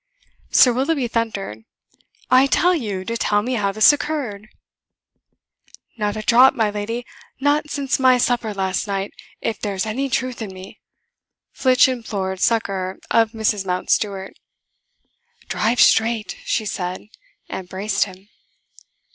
Sir Willoughby thundered: "I tell you to tell me how this occurred." "Not a drop, my lady! not since my supper last night, if there's any truth in me!" Flitch implored succour of Mrs Mountstuart. "Drive straight," she said, and braced him.